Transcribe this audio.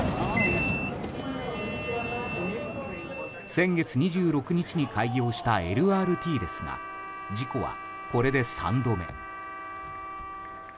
先月２６日に開業したＬＲＴですが事故はこれで３度目。